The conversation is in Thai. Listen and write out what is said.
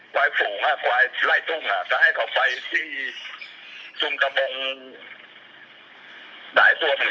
ควายฝูงฮะควายไล่ตุ้งฮะก็ให้เขาไปที่จุงกระมงหลายตัวเหมือนกันค่ะ